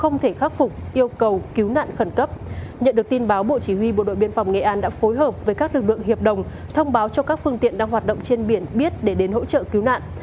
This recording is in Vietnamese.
nhận được tin báo bộ chỉ huy bộ đội biên phòng nghệ an đã phối hợp với các lực lượng hiệp đồng thông báo cho các phương tiện đang hoạt động trên biển biết để đến hỗ trợ cứu nạn